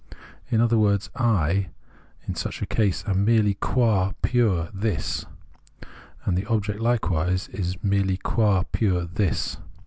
In other words, I, in such a case, am merely qua pure This, and the object likewise is merely qua pure This.